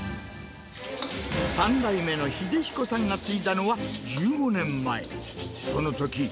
３代目の秀彦さんが継いだのは１５年前。